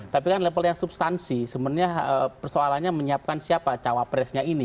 tapi kan level yang substansi sebenarnya persoalannya menyiapkan siapa cawapresnya ini